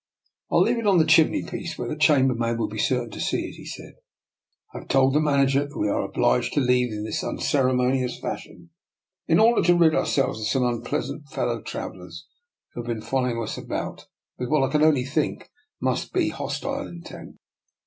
" ril leave it on the chimney piece, where the chambermaid will be certain to see it," he said. " I have told the manager that we are obliged to leave in this unceremonious fash ion in order to rid ourselves of some unpleas ant fellow travellers, who have been following us about with what I can only think must be hostile intent.